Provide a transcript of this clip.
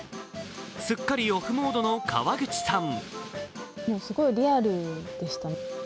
すっかりオフモードの川口さん。